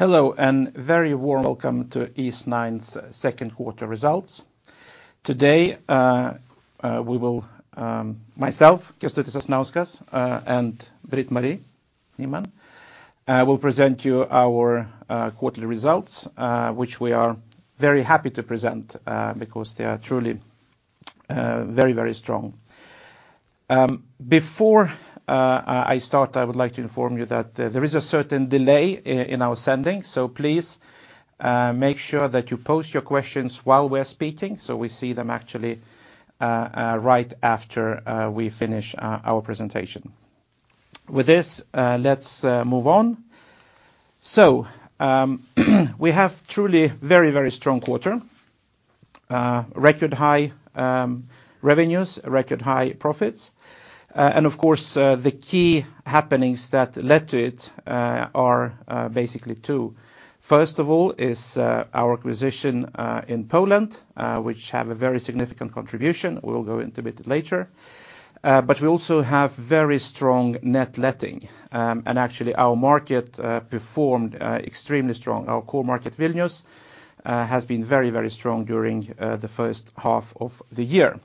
Hello, and very warm welcome to Eastnine's second quarter results. Today, we will. Myself, Kęstutis Sasnauskas and Britt-Marie Nyman will present you our quarterly results, which we are very happy to present, because they are truly very, very strong. Before I start, I would like to inform you that there is a certain delay in our sending, so please make sure that you post your questions while we're speaking so we see them actually right after we finish our presentation. With this, let's move on. We have truly very, very strong quarter. Record high revenues, record high profits. Of course, the key happenings that led to it are basically two. First of all, our acquisition in Poland, which have a very significant contribution. We'll go into a bit later. We also have very strong net letting. Actually, our market performed extremely strong. Our core market, Vilnius, has been very, very strong during the first half of the year.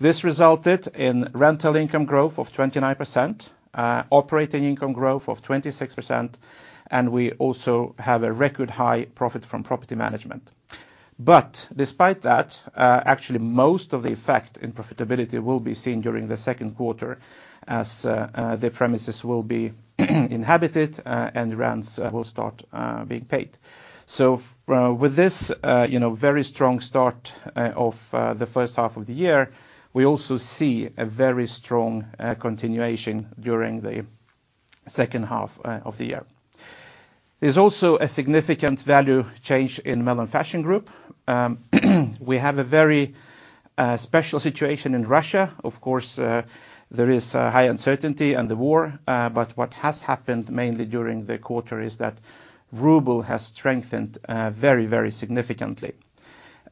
This resulted in rental income growth of 29%, operating income growth of 26%, and we also have a record high profit from property management. Despite that, actually, most of the effect in profitability will be seen during the second quarter as the premises will be inhabited and rents will start being paid. With this, you know, very strong start of the first half of the year, we also see a very strong continuation during the second half of the year. There's also a significant value change in Melon Fashion Group. We have a very special situation in Russia. Of course, there is high uncertainty and the war. What has happened mainly during the quarter is that ruble has strengthened very, very significantly.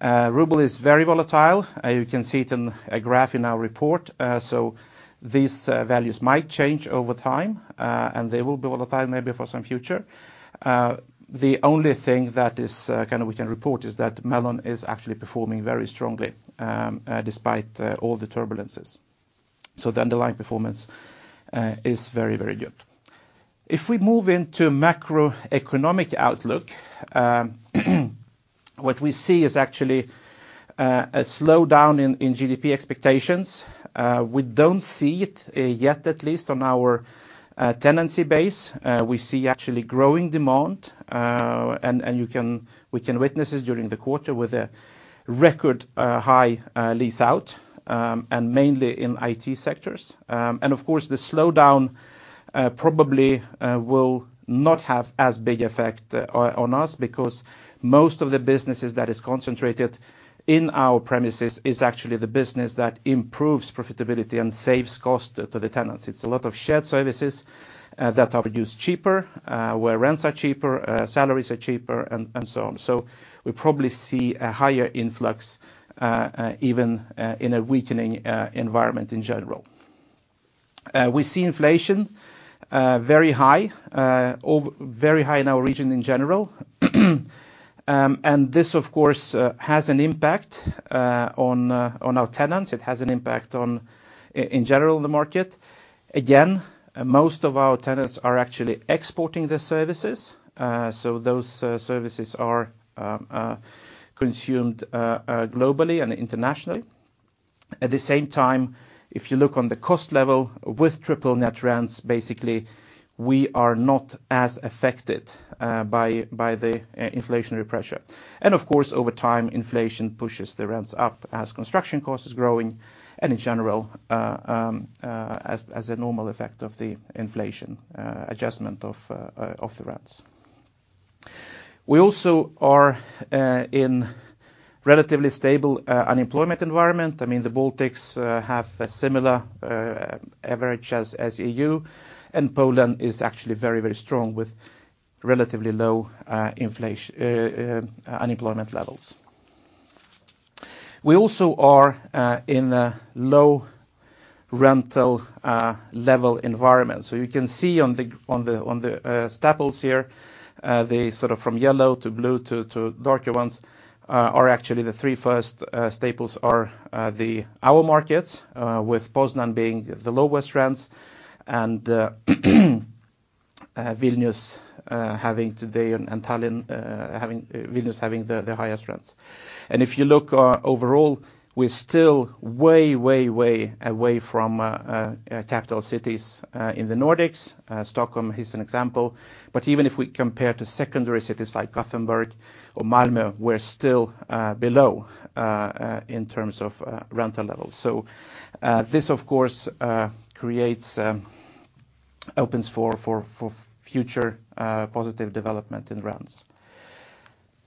Ruble is very volatile. You can see it in a graph in our report. These values might change over time. They will be volatile maybe for some future. The only thing that is kind of we can report is that Melon is actually performing very strongly despite all the turbulences. The underlying performance is very, very good. If we move into macroeconomic outlook, what we see is actually a slowdown in GDP expectations. We don't see it yet, at least on our tenancy base. We see actually growing demand. We can witness this during the quarter with a record high lease out and mainly in IT sectors. Of course, the slowdown probably will not have as big effect on us because most of the businesses that is concentrated in our premises is actually the business that improves profitability and saves cost to the tenants. It's a lot of shared services that are produced cheaper where rents are cheaper salaries are cheaper, and so on. We probably see a higher influx, even in a weakening environment in general. We see inflation very high in our region in general. This, of course, has an impact on our tenants. It has an impact, in general, in the market. Again, most of our tenants are actually exporting their services. Those services are consumed globally and internationally. At the same time, if you look on the cost level with triple net rents, basically, we are not as affected by the inflationary pressure. Of course, over time, inflation pushes the rents up as construction cost is growing and in general, as a normal effect of the inflation, adjustment of the rents. We also are in relatively stable unemployment environment. I mean, the Baltics have a similar average as EU, and Poland is actually very, very strong with relatively low unemployment levels. We also are in a low rental level environment. You can see on the staples here, the sort of from yellow to blue to darker ones are actually the three first staples are our markets, with Poznań being the lowest rents and Vilnius having the highest rents. If you look overall, we're still way, way away from capital cities in the Nordics. Stockholm is an example. Even if we compare to secondary cities like Gothenburg or Malmö, we're still below in terms of rental levels. This of course opens for future positive development in rents.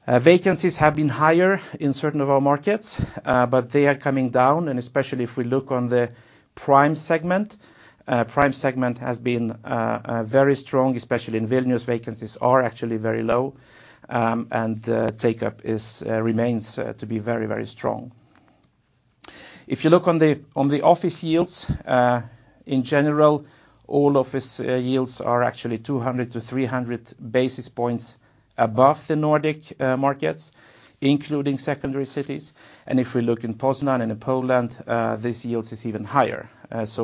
Vacancies have been higher in certain of our markets, but they are coming down. Especially if we look on the prime segment. Prime segment has been very strong, especially in Vilnius. Vacancies are actually very low. Take-up remains to be very strong. If you look on the office yields in general, all office yields are actually 200-300 basis points above the Nordic markets, including secondary cities. If we look in Poznań and in Poland, this yields is even higher.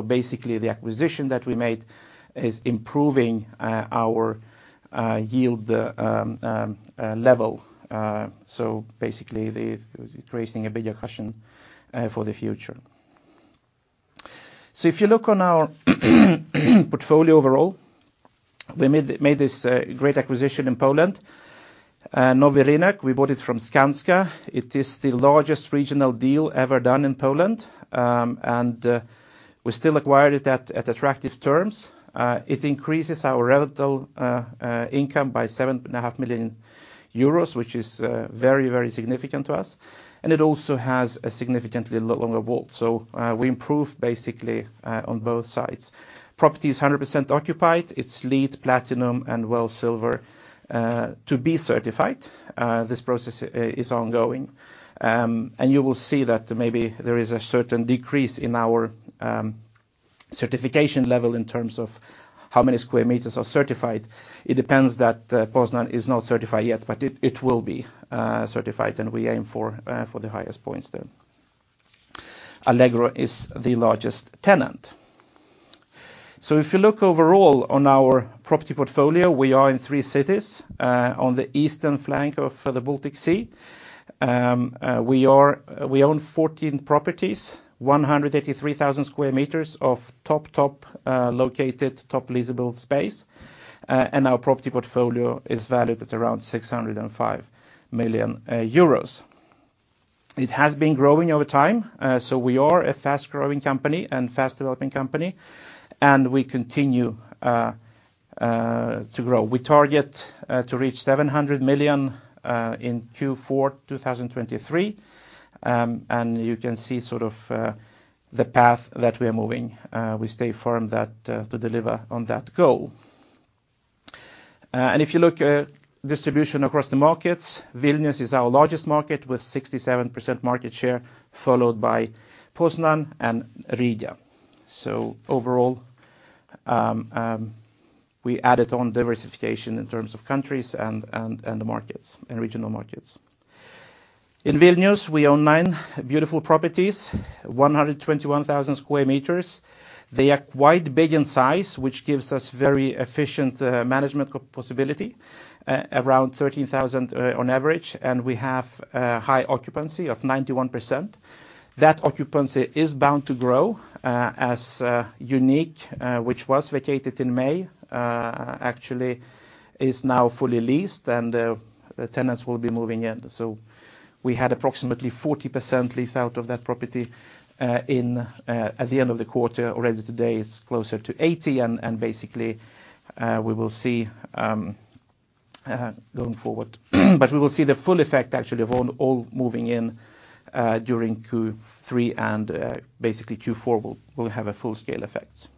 Basically the acquisition that we made is improving our yield level. Basically creating a bigger cushion for the future. If you look on our portfolio overall, we made this great acquisition in Poland. Nowy Rynek, we bought it from Skanska. It is the largest regional deal ever done in Poland. We still acquired it at attractive terms. It increases our rental income by 7.5 million euros, which is very, very significant to us. It also has a significantly lot longer WALT. We improve basically on both sides. Property is 100% occupied. It's LEED Platinum and WELL Silver to be certified. This process is ongoing. You will see that maybe there is a certain decrease in our certification level in terms of how many square meters are certified. It depends that Poznań is not certified yet, but it will be certified, and we aim for the highest points then. Allegro is the largest tenant. If you look overall on our property portfolio, we are in three cities on the eastern flank of the Baltic Sea. We own 14 properties, 183,000 square meters of top located top leasable space. Our property portfolio is valued at around 605 million euros. It has been growing over time. We are a fast-growing company and fast-developing company, and we continue to grow. We target to reach 700 million in Q4 2023. You can see sort of the path that we are moving. We stay firm that to deliver on that goal. If you look distribution across the markets, Vilnius is our largest market with 67% market share, followed by Poznań and Riga. Overall, we added on diversification in terms of countries and the markets, and regional markets. In Vilnius, we own nine beautiful properties, 121,000 sq m. They are quite big in size, which gives us very efficient management possibility around 13,000 on average, and we have high occupancy of 91%. That occupancy is bound to grow, as Uniq, which was vacated in May, actually is now fully leased and tenants will be moving in. We had approximately 40% leased out of that property, in at the end of the quarter. Already today, it's closer to 80% and basically we will see going forward. We will see the full effect actually of all moving in during Q3 and basically Q4 will have a full-scale effect.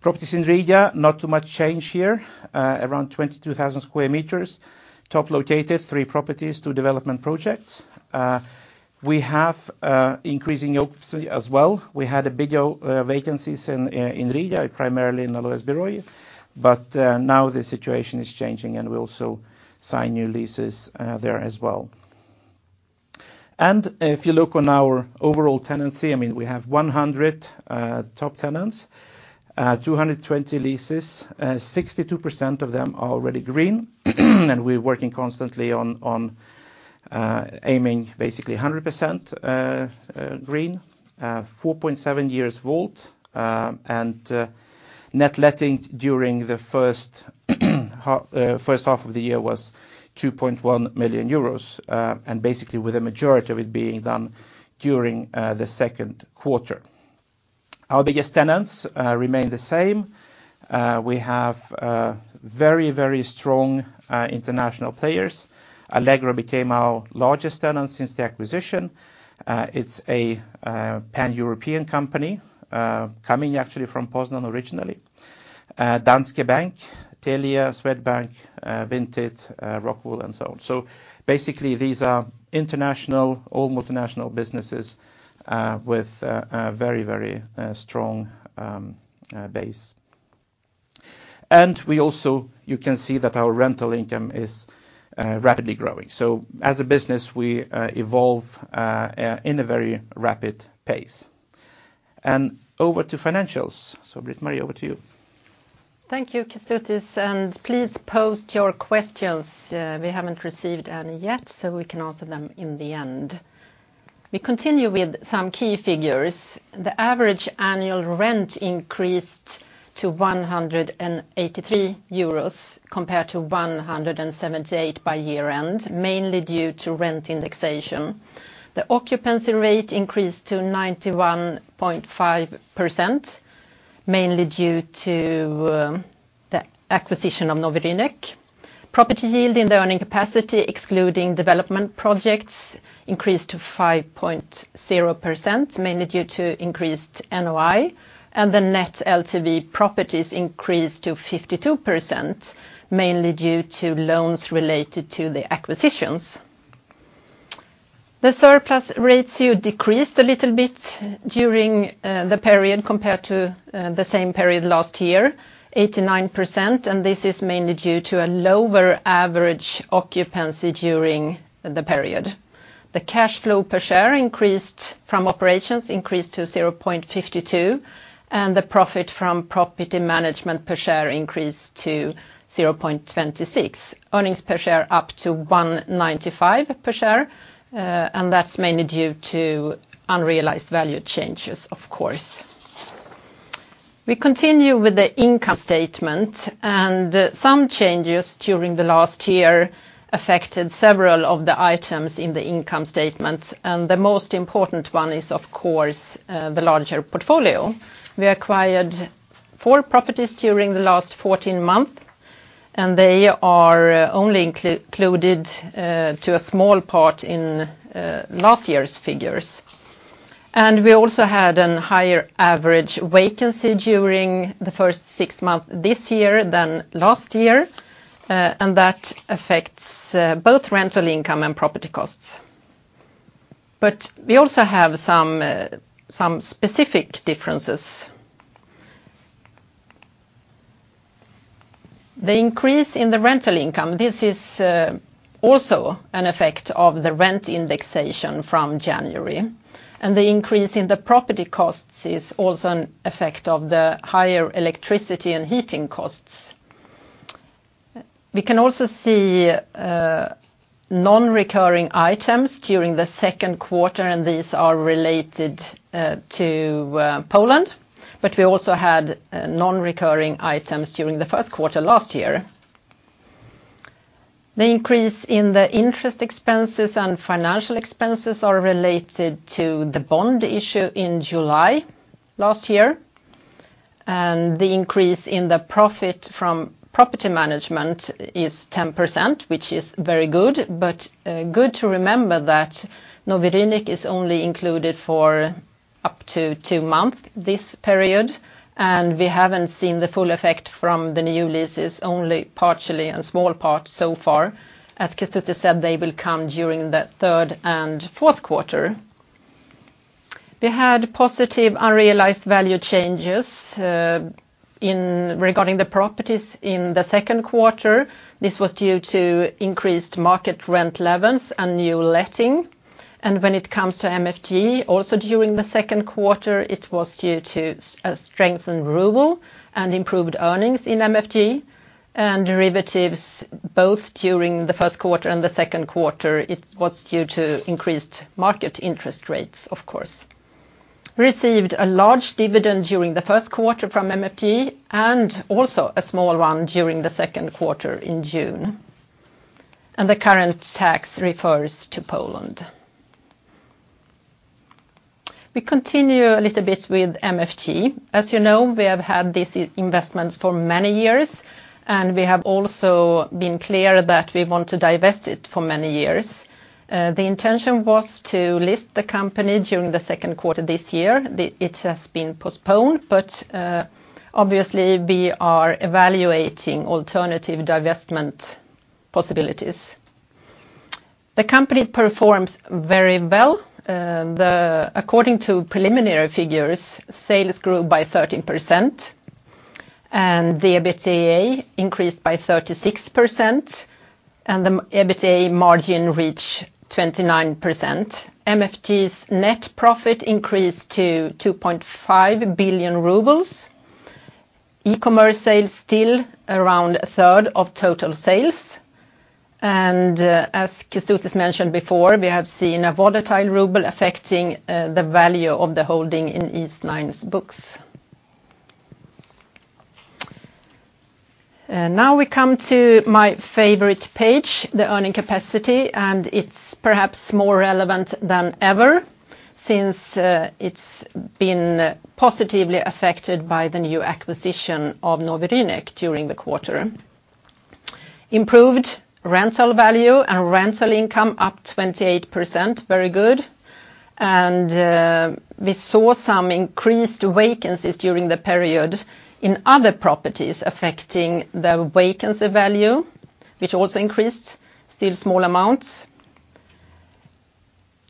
Properties in Riga, not too much change here. Around 22,000 square meters. Top-located three properties, two development projects. We have increasing occupancy as well. We had big vacancies in Riga, primarily in Alojas Biroji. Now the situation is changing and we also sign new leases there as well. If you look on our overall tenancy, I mean, we have 100 top tenants, 220 leases. 62% of them are already green. We're working constantly on aiming basically 100% green. 4.7 years WALT. Net letting during the first half of the year was 2.1 million euros, and basically with the majority of it being done during the second quarter. Our biggest tenants remain the same. We have very strong international players. Allegro became our largest tenant since the acquisition. It's a Pan-European company coming actually from Poznań originally. Danske Bank, Telia, Swedbank, Vinted, Rockwool and so on. Basically, these are international, all multinational businesses, with a very strong base. We also, you can see that our rental income is rapidly growing. As a business, we evolve in a very rapid pace. Over to financials. Britt-Marie, over to you. Thank you, Kęstutis, and please post your questions. We haven't received any yet, so we can answer them in the end. We continue with some key figures. The average annual rent increased to 183 euros compared to 178 by year-end, mainly due to rent indexation. The occupancy rate increased to 91.5%, mainly due to the acquisition of Nowy Rynek. Property yield in the earning capacity, excluding development projects, increased to 5.0%, mainly due to increased NOI. The net LTV properties increased to 52%, mainly due to loans related to the acquisitions. The surplus ratio here decreased a little bit during the period compared to the same period last year, 89%, and this is mainly due to a lower average occupancy during the period. The cash flow per share increased from operations to 0.52, and the profit from property management per share increased to 0.26. Earnings per share up to 1.95 per share, and that's mainly due to unrealized value changes, of course. We continue with the income statement, and some changes during the last year affected several of the items in the income statement. The most important one is, of course, the larger portfolio. We acquired four properties during the last fourteen months, and they are only included to a small part in last year's figures. We also had a higher average vacancy during the first 6 months this year than last year, and that affects both rental income and property costs. We also have some specific differences. The increase in the rental income, this is also an effect of the rent indexation from January, and the increase in the property costs is also an effect of the higher electricity and heating costs. We can also see non-recurring items during the second quarter, and these are related to Poland, but we also had non-recurring items during the first quarter last year. The increase in the interest expenses and financial expenses are related to the bond issue in July last year, and the increase in the profit from property management is 10%, which is very good. Good to remember that Nowy Rynek is only included for up to two months this period, and we haven't seen the full effect from the new leases, only partially, a small part so far. As Kęstutis said, they will come during the third and fourth quarters. We had positive unrealized value changes regarding the properties in the second quarter. This was due to increased market rent levels and new letting. When it comes to MFG, also during the second quarter, it was due to strengthened ruble and improved earnings in MFG, and derivatives both during the first quarter and the second quarter. It was due to increased market interest rates, of course. Received a large dividend during the first quarter from MFG and also a small one during the second quarter in June. The current tax refers to Poland. We continue a little bit with MFG. As you know, we have had these investments for many years, and we have also been clear that we want to divest it for many years. The intention was to list the company during the second quarter this year. It has been postponed, obviously we are evaluating alternative divestment possibilities. The company performs very well. According to preliminary figures, sales grew by 13%, and the EBITDA increased by 36%, and the EBITDA margin reached 29%. MFG's net profit increased to 2.5 billion rubles. E-commerce sales still around a third of total sales. As Kęstutis mentioned before, we have seen a volatile ruble affecting the value of the holding in Eastnine's books. Now we come to my favorite page, the earning capacity, and it's perhaps more relevant than ever since it's been positively affected by the new acquisition of Nowy Rynek during the quarter. Improved rental value and rental income up 28%, very good. We saw some increased vacancies during the period in other properties affecting the vacancy value, which also increased, still small amounts.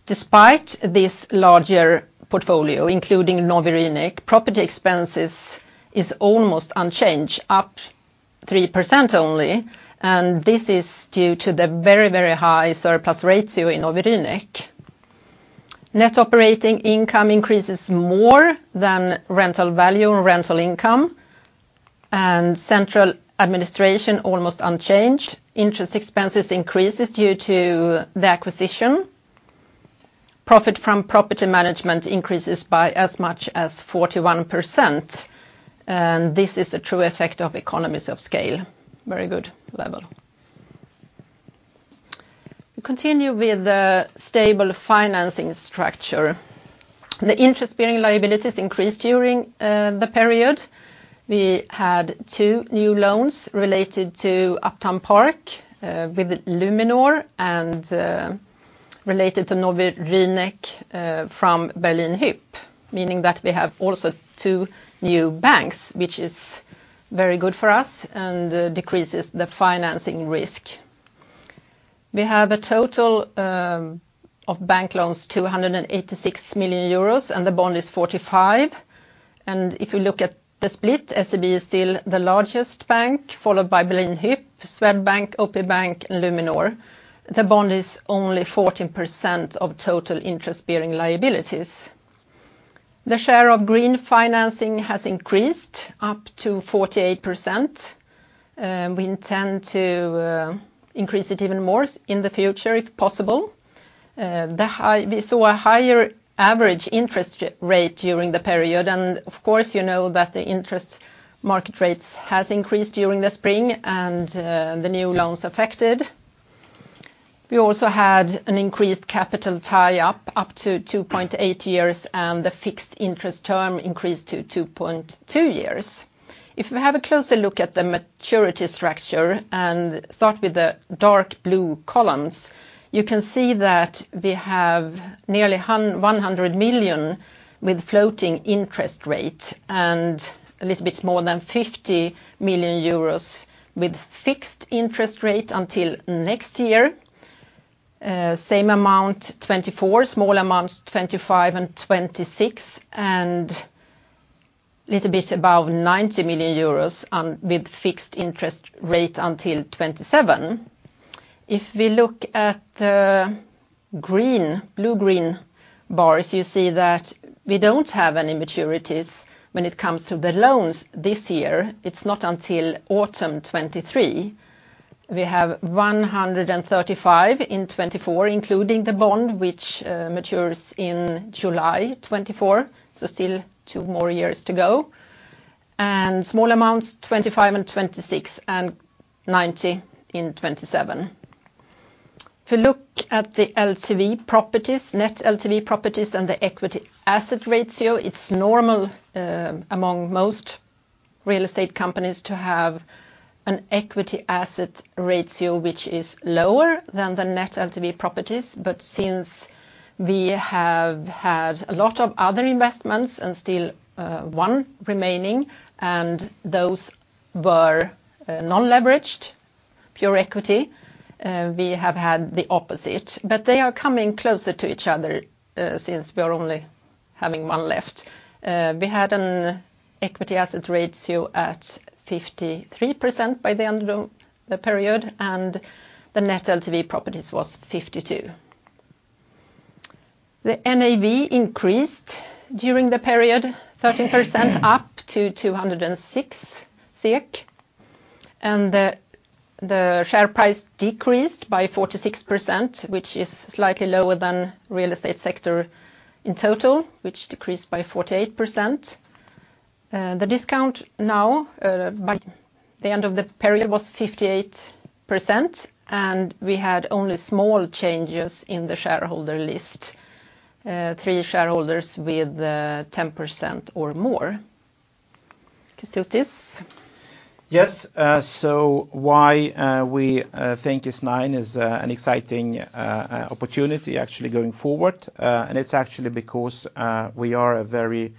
Despite this larger portfolio, including Nowy Rynek, property expenses is almost unchanged, up 3% only, and this is due to the very, very high surplus ratio in Nowy Rynek. Net operating income increases more than rental value and rental income, and central administration almost unchanged. Interest expenses increases due to the acquisition. Profit from property management increases by as much as 41%, and this is a true effect of economies of scale. Very good level. We continue with the stable financing structure. The interest-bearing liabilities increased during the period. We had two new loans related to Uptown Park with Luminor, and related to Nowy Rynek from Berlin Hyp, meaning that we have also two new banks, which is very good for us and decreases the financing risk. We have a total of bank loans, 286 million euros, and the bond is 45 million. If you look at the split, SEB is still the largest bank, followed by the bond is only 14% of total interest-bearing liabilities. The share of green financing has increased up to 48%, we intend to increase it even more in the future if possible. We saw a higher average interest rate during the period, and of course, you know that the interest market rates has increased during the spring and the new loans affected. We also had an increased capital tie-up, up to 2.8 years, and the fixed interest term increased to 2.2 years. If we have a closer look at the maturity structure and start with the dark blue columns, you can see that we have nearly 100 million with floating interest rate and a little bit more than 50 million euros with fixed interest rate until next year. Same amount 2024, small amounts 2025 and 2026, and little bit above 90 million euros with fixed interest rate until 2027. If we look at the green blue-green bars, you see that we don't have any maturities when it comes to the loans this year. It's not until autumn 2023. We have 135 in 2024, including the bond which matures in July 2024, so still two more years to go. Small amounts 2025 and 2026, and EUR 90 in 2027. If you look at the LTV properties, net LTV properties and the equity asset ratio, it's normal among most real estate companies to have an equity asset ratio which is lower than the net LTV properties. Since we have had a lot of other investments and still one remaining, and those were non-leveraged, pure equity, we have had the opposite. They are coming closer to each other, since we are only having one left. We had an equity asset ratio at 53% by the end of the period, and the net LTV properties was 52%. The NAV increased during the period, 13% up to 206 SEK. The share price decreased by 46%, which is slightly lower than real estate sector in total, which decreased by 48%. The discount now by the end of the period was 58%, and we had only small changes in the shareholder list. Three shareholders with 10% or more. Christoph this. Yes. Why we think Eastnine is an exciting opportunity actually going forward, and it's actually because we are a very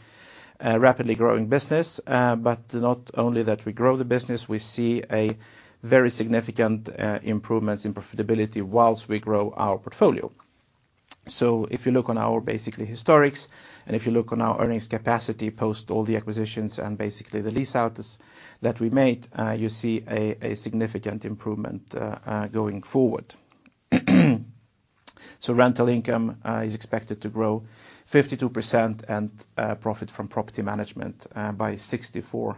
rapidly growing business. Not only that we grow the business, we see a very significant improvements in profitability while we grow our portfolio. If you look on our basically historics, and if you look on our earnings capacity post all the acquisitions and basically the lease out that we made, you see a significant improvement going forward. Rental income is expected to grow 52% and profit from property management by 64%,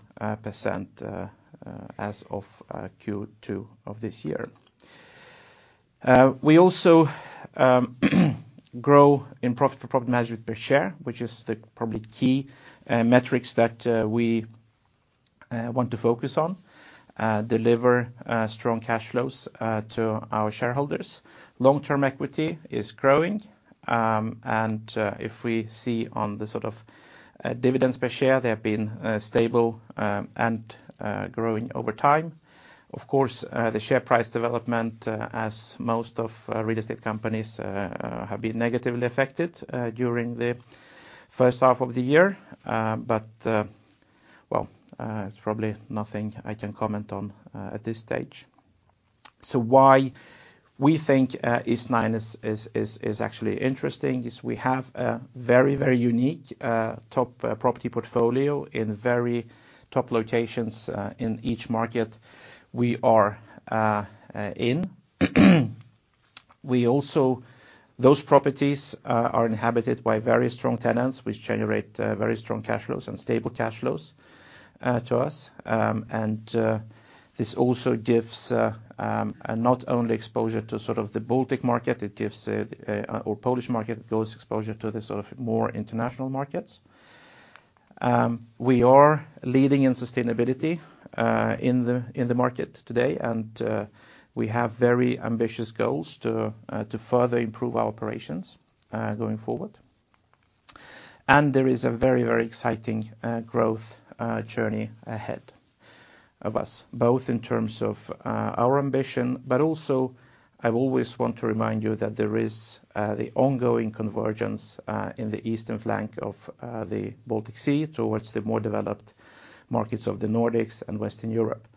as of Q2 of this year. We also grow in profit per property management per share, which is probably the key metrics that we want to focus on. Deliver strong cash flows to our shareholders. Long-term equity is growing, and if we see on the sort of dividends per share, they have been stable and growing over time. Of course, the share price development, as most of real estate companies, have been negatively affected during the first half of the year. Well, it's probably nothing I can comment on at this stage. Why we think Eastnine is actually interesting is we have a very, very unique top property portfolio in very top locations in each market we are in. Those properties are inhabited by very strong tenants which generate very strong cash flows and stable cash flows to us. This also gives not only exposure to sort of the Baltic market, it gives or Polish market, it gives exposure to the sort of more international markets. We are leading in sustainability in the market today. We have very ambitious goals to further improve our operations going forward. There is a very exciting growth journey ahead of us, both in terms of our ambition, but also I always want to remind you that there is the ongoing convergence in the eastern flank of the Baltic Sea towards the more developed markets of the Nordics and Western Europe.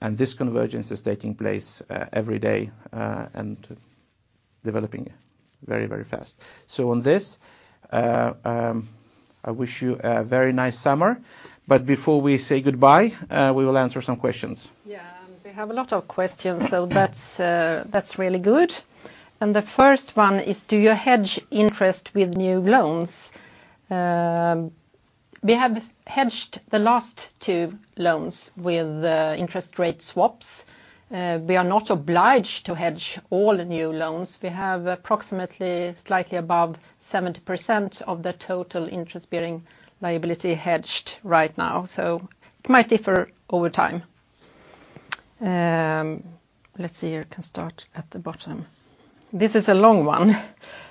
This convergence is taking place every day and developing very fast. On this, I wish you a very nice summer. Before we say goodbye, we will answer some questions. Yeah. We have a lot of questions, so that's really good. The first one is do you hedge interest with new loans? We have hedged the last two loans with interest rate swaps. We are not obliged to hedge all the new loans. We have approximately slightly above 70% of the total interest-bearing liability hedged right now. It might differ over time. Let's see. I can start at the bottom. This is a long one.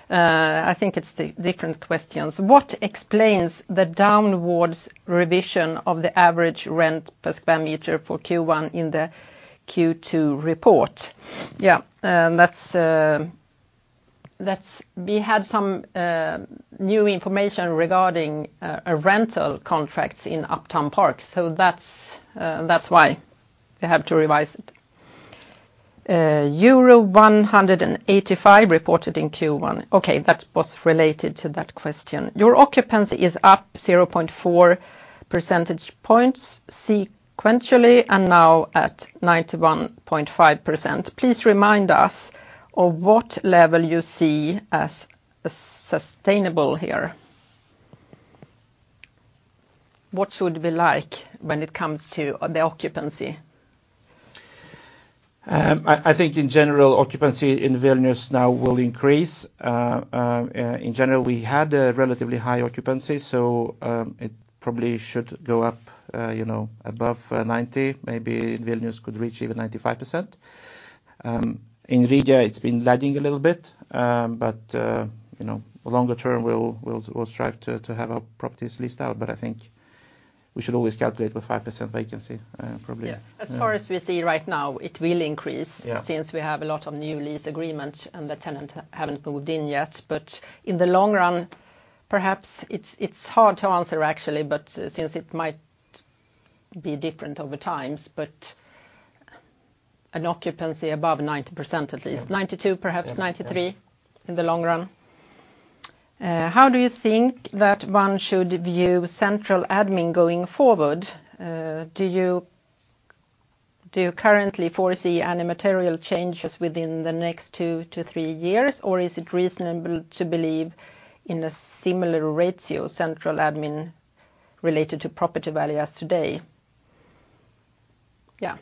I think it's the different questions. What explains the downward revision of the average rent per square meter for Q1 in the Q2 report? Yeah, that's. We have some new information regarding a rental contracts in Uptown Park, so that's why we have to revise it. Euro 185 reported in Q1. Okay, that was related to that question. Your occupancy is up 0.4 percentage points sequentially and now at 91.5%. Please remind us of what level you see as a sustainable here. What should we like when it comes to the occupancy? I think in general, occupancy in Vilnius now will increase. In general, we had a relatively high occupancy, so it probably should go up, you know, above 90. Maybe Vilnius could reach even 95%. In Riga it's been lagging a little bit, but you know, longer term we'll strive to have our properties leased out. I think we should always calculate with 5% vacancy, probably. Yeah. As far as we see right now, it will increase- Yeah Since we have a lot of new lease agreements, and the tenant haven't moved in yet. In the long run, perhaps it's hard to answer actually, but since it might be different over time, but an occupancy above 90% at least. Yeah. 92, perhaps 93. Yeah. Yeah In the long run. How do you think that one should view central admin going forward? Do you currently foresee any material changes within the next 2-3 years, or is it reasonable to believe in a similar ratio central admin related to property value as today? Yeah.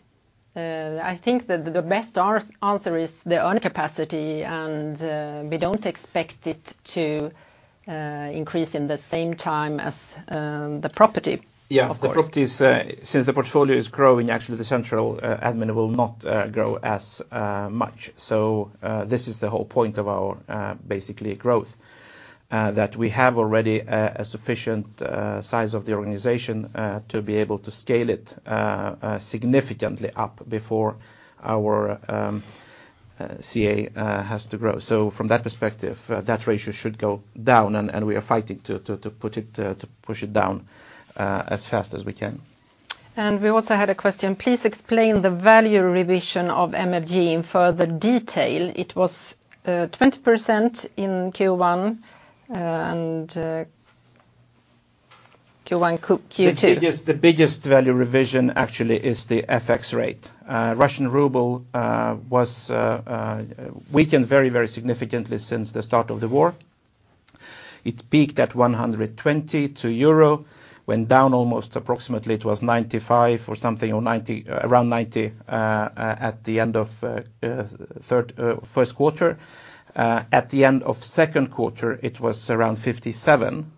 I think that the best answer is their own capacity, and we don't expect it to increase in the same time as the property. Yeah. Of course. The properties, since the portfolio is growing, actually the central admin will not grow as much. This is the whole point of our basically growth that we have already a sufficient size of the organization to be able to scale it significantly up before our CA has to grow. From that perspective, that ratio should go down and we are fighting to push it down as fast as we can. We also had a question. Please explain the value revision of MFG in further detail. It was 20% in Q1 and Q2. The biggest value revision actually is the FX rate. Russian ruble was weakened very significantly since the start of the war. It peaked at 120 to euro, went down almost approximately it was 95 or something, or 90 around 90, at the end of first quarter. At the end of second quarter it was around 57.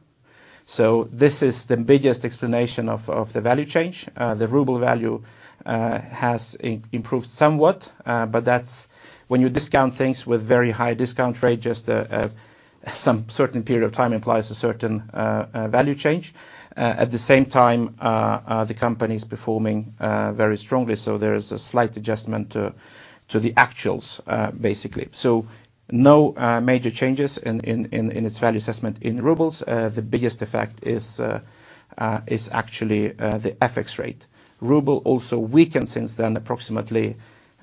This is the biggest explanation of the value change. The ruble value has improved somewhat, but that's when you discount things with very high discount rate, just a some certain period of time implies a certain value change. At the same time, the company's performing very strongly, so there is a slight adjustment to the actuals, basically. No major changes in its value assessment in rubles. The biggest effect is actually the FX rate. Ruble also weakened since then, approximately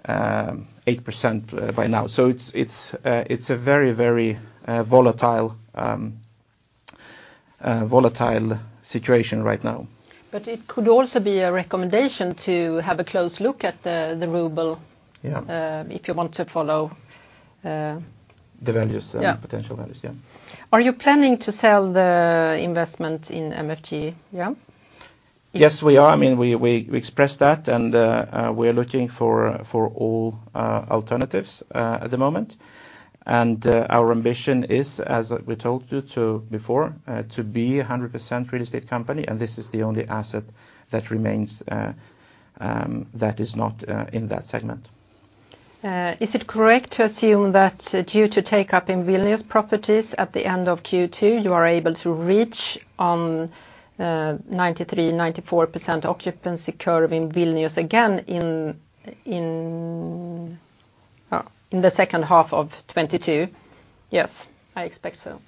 8%, by now. It's a very volatile situation right now. It could also be a recommendation to have a close look at the ruble. Yeah If you want to follow. The values- Yeah. potential values, yeah. Are you planning to sell the investment in MFG, Kęstutis? Yes, we are. I mean, we expressed that, and we are looking for all alternatives at the moment. Our ambition is, as we told you before, to be 100% real estate company, and this is the only asset that remains that is not in that segment. Is it correct to assume that, due to take up in Vilnius properties at the end of Q2, you are able to reach 93%-94% occupancy curve in Vilnius again in the second half of 2022? Yes, I expect so.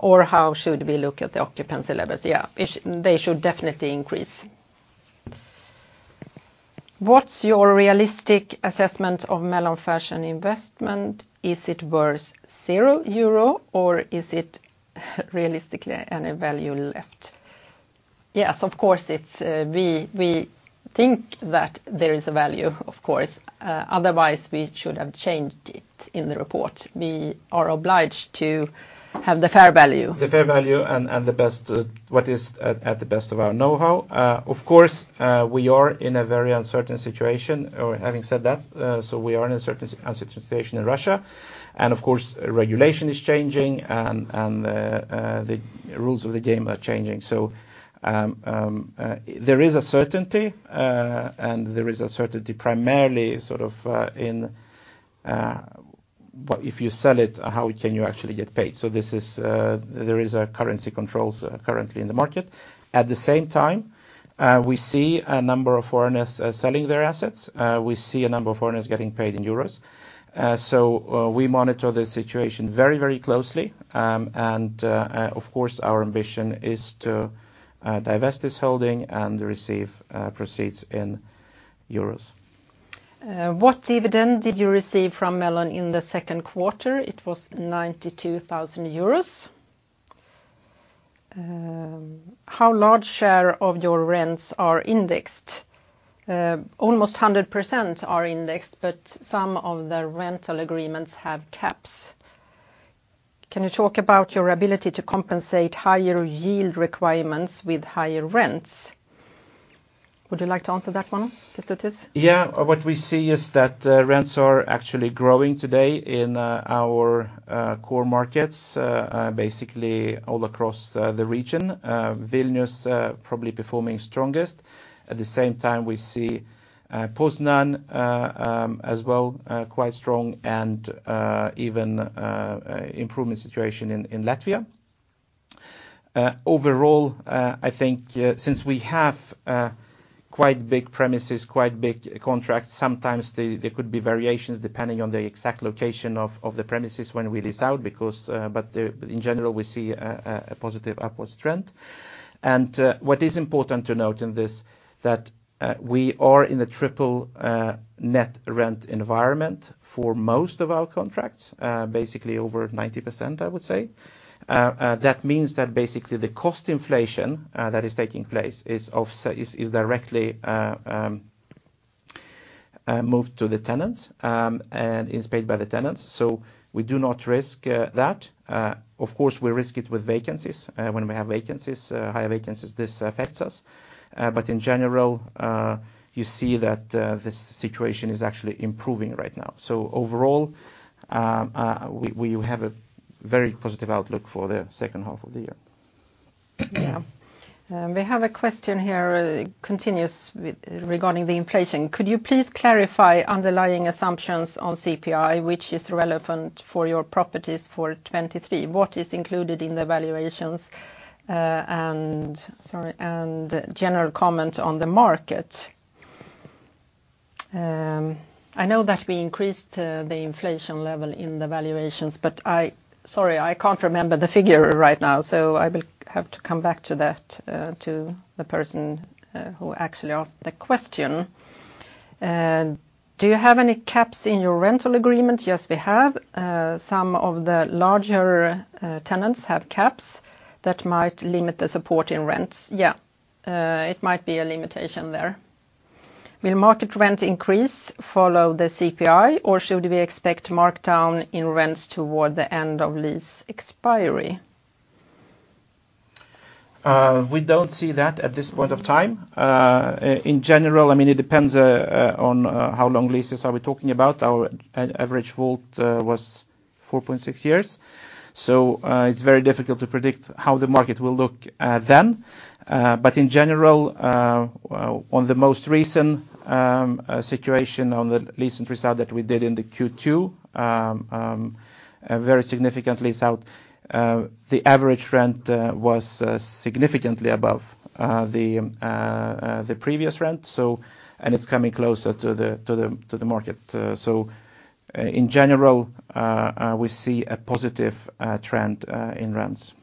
Or how should we look at the occupancy levels? Yeah, they should definitely increase. What's your realistic assessment of Melon Fashion investment? Is it worth 0 euro or is it realistically any value left? Yes, of course it's, we think that there is a value, of course. Otherwise, we should have changed it in the report. We are obliged to have the fair value. The fair value to the best of our knowhow. Of course, we are in a very uncertain situation. Having said that, we are in an uncertain situation in Russia, and of course, regulation is changing and the rules of the game are changing. There is an uncertainty primarily sort of in what if you sell it, how can you actually get paid? There is currency controls currently in the market. At the same time, we see a number of foreigners selling their assets. We see a number of foreigners getting paid in euros. We monitor the situation very, very closely. Of course, our ambition is to divest this holding and receive proceeds in euros. What dividend did you receive from Melon in the second quarter? It was 92,000 euros. How large share of your rents are indexed? Almost 100% are indexed, but some of the rental agreements have caps. Can you talk about your ability to compensate higher yield requirements with higher rents? Would you like to answer that one, Kęstutis? Yeah. What we see is that rents are actually growing today in our core markets basically all across the region. Vilnius probably performing strongest. At the same time, we see Poznan as well quite strong and even improving situation in Latvia. Overall, I think since we have quite big premises, quite big contracts, sometimes there could be variations depending on the exact location of the premises when we lease out because in general, we see a positive upwards trend. What is important to note in this, that we are in the triple net rent environment for most of our contracts basically over 90%, I would say. That means that basically the cost inflation that is taking place is directly moved to the tenants and is paid by the tenants. We do not risk that. Of course, we risk it with vacancies. When we have vacancies, higher vacancies, this affects us. In general, you see that this situation is actually improving right now. Overall, we have a very positive outlook for the second half of the year. Yeah. We have a question here regarding the inflation. Could you please clarify underlying assumptions on CPI, which is relevant for your properties for 2023? What is included in the valuations, and general comment on the market. I know that we increased the inflation level in the valuations, but sorry, I can't remember the figure right now, so I will have to come back to that to the person who actually asked the question. Do you have any caps in your rental agreement? Yes, we have. Some of the larger tenants have caps that might limit the support in rents. Yeah, it might be a limitation there. Will market rent increase follow the CPI, or should we expect markdown in rents toward the end of lease expiry? We don't see that at this point of time. In general, I mean, it depends on how long leases are we talking about. Our average hold was 4.6 years. It's very difficult to predict how the market will look, then. In general, on the most recent situation on the lease interest that we did in the Q2, a very significant lease out, the average rent was significantly above the previous rent. It's coming closer to the market. In general, we see a positive trend in rents.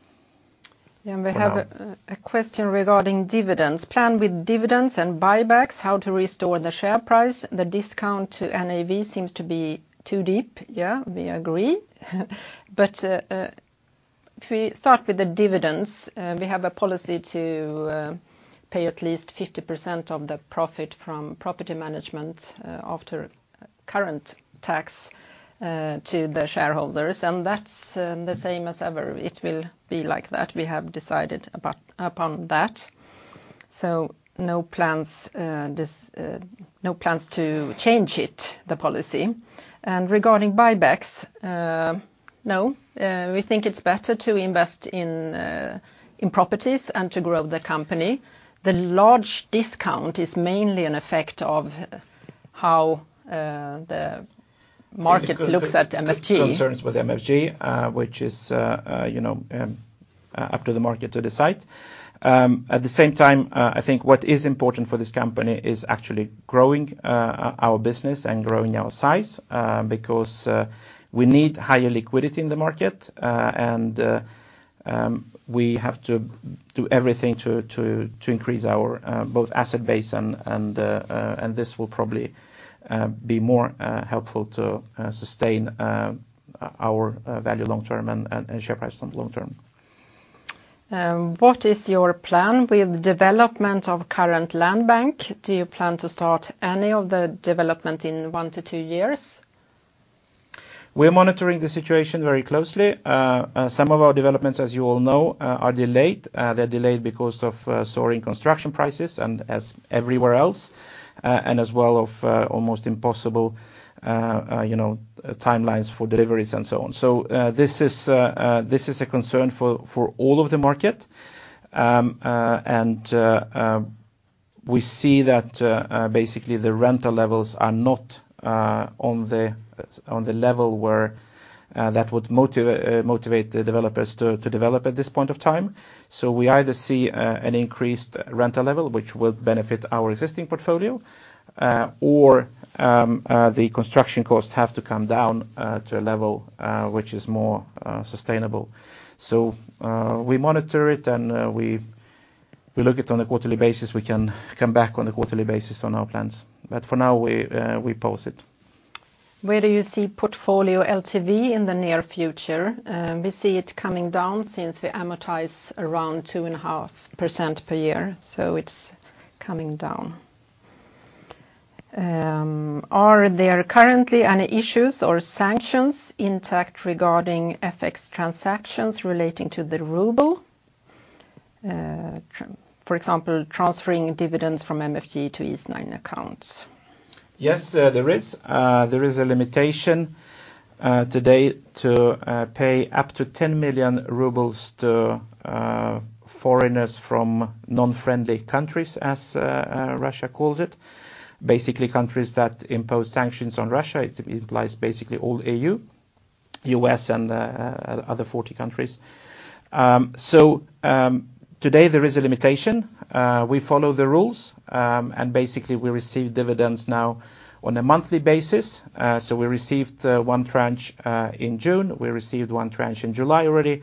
Yeah. For now. We have a question regarding dividends. Plan with dividends and buybacks, how to restore the share price. The discount to NAV seems to be too deep. Yeah. We agree. If we start with the dividends, we have a policy to pay at least 50% of the profit from property management after current tax to the shareholders, and that's the same as ever. It will be like that. We have decided upon that. No plans to change it, the policy. Regarding buybacks, no. We think it's better to invest in properties and to grow the company. The large discount is mainly an effect of how the market looks at MFG. Concerns with MFG, which is, you know, up to the market to decide. At the same time, I think what is important for this company is actually growing our business and growing our size, because we need higher liquidity in the market. We have to do everything to increase our asset base, and this will probably be more helpful to sustain our value long-term and share price long-term. What is your plan with development of current land bank? Do you plan to start any of the development in 1-2 years? We're monitoring the situation very closely. Some of our developments, as you all know, are delayed. They're delayed because of soaring construction prices and as everywhere else, and as well of almost impossible, you know, timelines for deliveries and so on. This is a concern for all of the market. We see that basically the rental levels are not on the level where that would motivate the developers to develop at this point of time. We either see an increased rental level which will benefit our existing portfolio or the construction costs have to come down to a level which is more sustainable. We monitor it and we look at it on a quarterly basis. We can come back on a quarterly basis on our plans. For now, we pause it. Where do you see portfolio LTV in the near future? We see it coming down since we amortize around 2.5% per year. It's coming down. Are there currently any issues or sanctions intact regarding FX transactions relating to the ruble? For example, transferring dividends from MFG to Eastnine accounts. Yes, there is. There is a limitation today to pay up to 10 million rubles to foreigners from non-friendly countries as Russia calls it. Basically, countries that impose sanctions on Russia. It implies basically all E.U., U.S. and other 40 countries. Today there is a limitation. We follow the rules and basically we receive dividends now on a monthly basis. We received one tranche in June. We received one tranche in July already.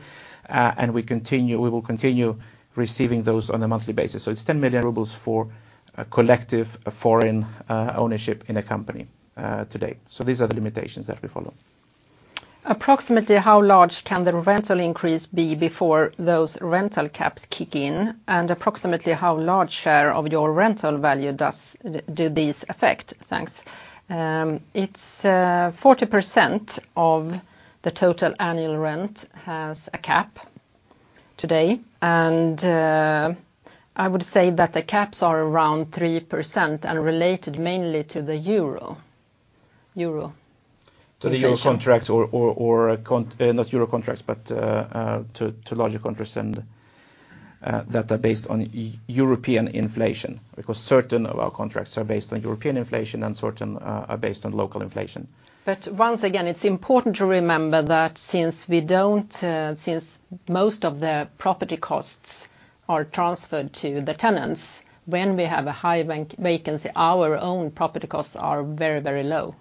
We will continue receiving those on a monthly basis. It's 10 million rubles for a collective foreign ownership in a company today. These are the limitations that we follow. Approximately how large can the rental increase be before those rental caps kick in? And approximately how large share of your rental value do these affect? Thanks. It's 40% of the total annual rent has a cap today, and I would say that the caps are around 3% and related mainly to the euro. To larger contracts and that are based on European inflation, because certain of our contracts are based on European inflation and certain are based on local inflation. Once again, it's important to remember that since most of the property costs are transferred to the tenants, when we have a high vacancy, our own property costs are very, very low.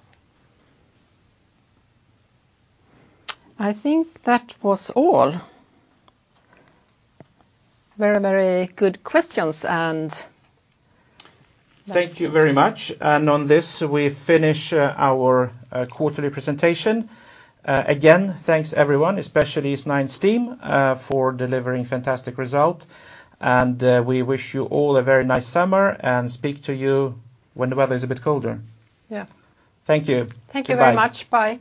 I think that was all. Very, very good questions. Thank you very much. On this, we finish our quarterly presentation. Again, thanks everyone, especially Eastnine's team, for delivering fantastic result. We wish you all a very nice summer and speak to you when the weather is a bit colder. Yeah. Thank you. Goodbye. Thank you very much. Bye.